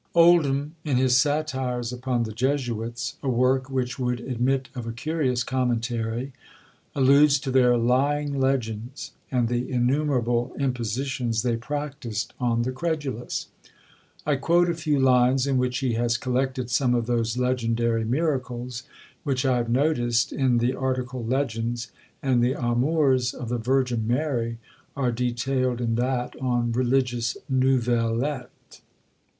Oldham, in his "Satires upon the Jesuits," a work which would admit of a curious commentary, alludes to their "lying legends," and the innumerable impositions they practised on the credulous. I quote a few lines in which he has collected some of those legendary miracles, which I have noticed in the article LEGENDS, and the amours of the Virgin Mary are detailed in that on RELIGIOUS NOUVELLETTES.